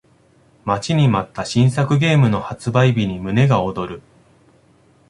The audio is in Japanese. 待ちに待った新作ゲームの発売日に胸が躍る